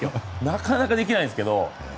なかなかできないんですけど。